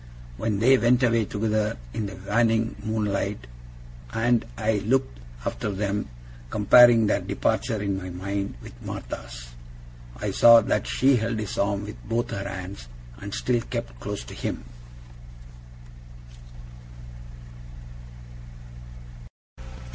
When they went away together, in the waning moonlight, and I looked after them, comparing their departure in my mind with Martha's, I saw that she held his arm with both her hands, and still kept close to him.